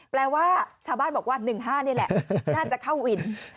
แปลว่าชาวบ้านบอกว่า๑๕นี่แหละน่าจะเข้าวิน